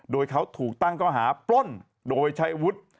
โดยเขาถูกตั้งข้อหาปล้นโดยใช้อาวุธ